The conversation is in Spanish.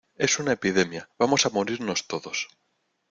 es una epidemia, vamos a morirnos todos.